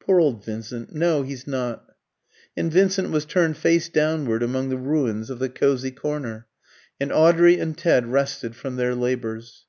"Poor old Vincent! No, he's not." And Vincent was turned face downward among the ruins of the cosy corner, and Audrey and Ted rested from their labours.